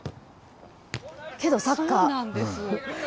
けどサッカー。